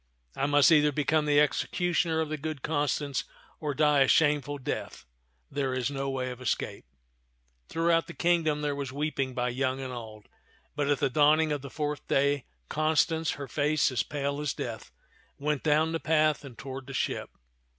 I must either become the executioner of the good Constance or die a shameful death ; there is no way of escape.'* €Sft (TUan of ^a)v'B tak 69 Throughout the kingdom there was weeping by young and old; but at the dawning of the fourth day Constance, her face as pale as death, went down the path and toward the ship.